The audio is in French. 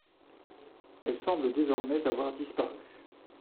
Elle semble désormais avoir disparu.